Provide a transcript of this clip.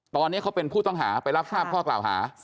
ตอนนี้เขาเป็นผู้ต้องหาไปรับทราบข้อกล่าวหา